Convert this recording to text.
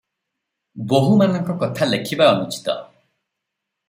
ବୋହୂମାନଙ୍କ କଥା ଲେଖିବା ଅନୁଚିତ ।